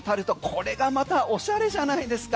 これがまたおしゃれじゃないですか。